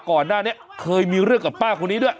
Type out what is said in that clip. ก่อนหน้านี้เคยมีเรื่องกับป้าคนนี้ด้วย